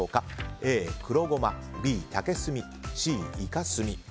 Ａ、黒ゴマＢ、竹炭Ｃ、イカ墨。